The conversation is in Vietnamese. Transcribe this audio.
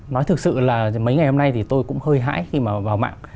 nói thực sự là mấy ngày hôm nay thì tôi cũng hơi hãi khi mà vào mạng